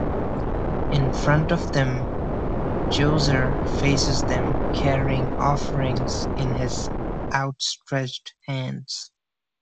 In front of them, Djoser faces them, carrying offerings in his outstretched hands.